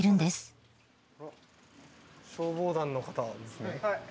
消防団の方ですね。